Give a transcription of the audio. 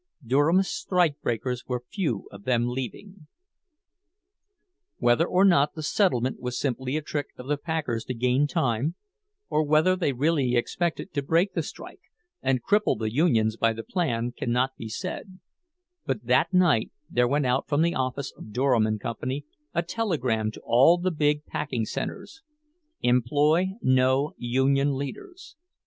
Durham's strikebreakers were few of them leaving. Whether or not the "settlement" was simply a trick of the packers to gain time, or whether they really expected to break the strike and cripple the unions by the plan, cannot be said; but that night there went out from the office of Durham and Company a telegram to all the big packing centers, "Employ no union leaders."